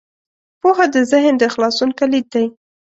پوهه د ذهن د خلاصون کلید دی.